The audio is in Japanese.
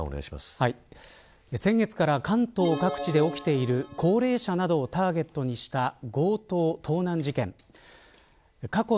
先月から関東各地で起きている高齢者などをターゲットにした強盗、盗難事件。